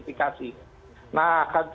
bisa diidentifikasi nah